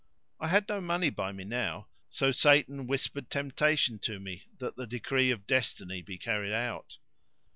I had no money by me now; so Satan whispered temptation to me that the Decree of Destiny be carried out.